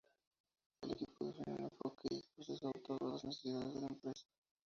El equipo define un enfoque y proceso adaptado a las necesidades de la empresa.